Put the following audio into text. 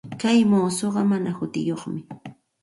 Kay muusuqa mana hutiyuqmi.